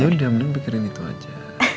yaudah mending pikirin itu aja